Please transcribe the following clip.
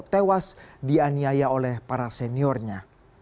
tewas dianiaya oleh para seniornya